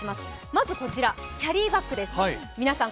まずはこちら、キャリーバッグです皆さん